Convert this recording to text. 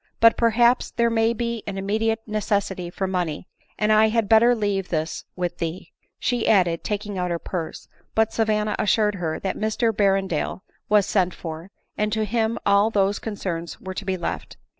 But perhaps there may be an immediate necessity for money, and I had bet ter leave this with thee," she added, taking out her purse; but Savanna assured her that Mr Berrendale was sent for, and to him all those concerns were to be left.